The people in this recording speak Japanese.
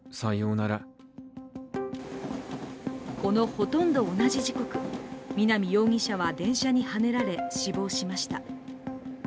このほとんど同じ時刻、南容疑者は電車にはねられ死亡しました。